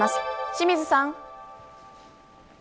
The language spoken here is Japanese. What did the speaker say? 清水さん。